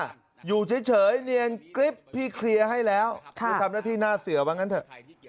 ว่าอยู่เฉยเนียนกริ๊บพรีเคลียร์ให้แล้วค่ะทำหน้าที่น่าเสื่อวังกันสิ